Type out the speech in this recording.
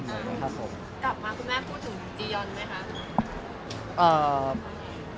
กลับมาคุณแม่พูดถึงจียอนไหมคะ